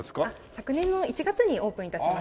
昨年の１月にオープン致しました。